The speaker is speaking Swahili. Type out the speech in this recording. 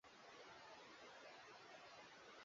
Raha jipe mwenyewe